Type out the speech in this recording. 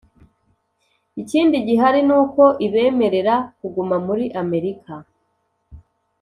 ikindi gihari ni uko ibemerera kuguma muri amerika